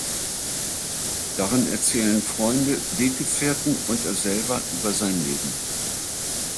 Darin erzählen Freunde, Weggefährten und er selber über sein Leben.